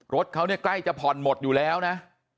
รถเขาเนี่ยใกล้จะผ่อนหมดอยู่แล้วนะ